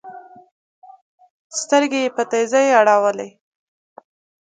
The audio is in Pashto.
سترګي یې په تېزۍ اړولې